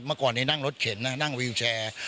เมื่อก่อนนี้นั่งรถเข็นนะนั่งวิวแชร์